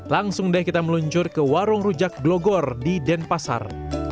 langsung deh kita meluncur ke warung rujak glogor di denpasar